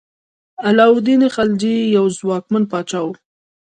علاء الدین خلجي یو ځواکمن پاچا و.